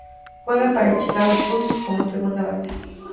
Juega para Chicago Cubs como segunda base.